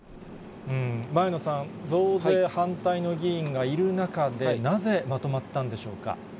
前野さん、増税反対の議員がいる中で、なぜ、まとまったんでしょうか。